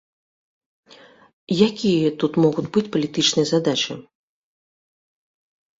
Якія тут могуць быць палітычныя задачы?